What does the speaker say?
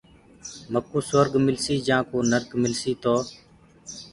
مڪوٚ سُرگ ملسيٚ جآنٚ ڪو نرگ ملسيٚ۔ تو